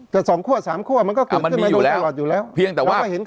แต่สองคั่วสามคั่วมันก็เกิดขึ้นมาโดยตลอดอยู่แล้ว